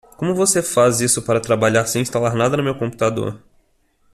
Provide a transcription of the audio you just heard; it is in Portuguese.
Como você faz isso para trabalhar sem instalar nada no meu computador?